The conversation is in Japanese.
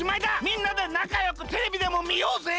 みんなでなかよくテレビでもみようぜ。